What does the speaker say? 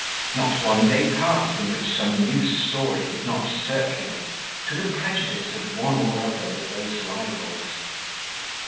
Not one day passed in which some new story did not circulate, to the prejudice of one or other of those rivals.